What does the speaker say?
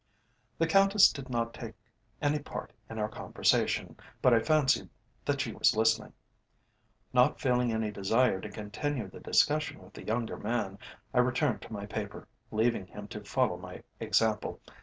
The Countess did not take any part in our conversation, but I fancied that she was listening. Not feeling any desire to continue the discussion with the younger man, I returned to my paper, leaving him to follow my example.